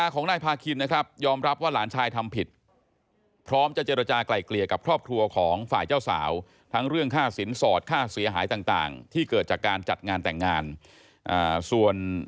ของนายพาคินนะครับยอมรับว่าหลานชายทำผิดพร้อมจะเจรจากลายเกลี่ยกับครอบครัวของฝ่ายเจ้าสาว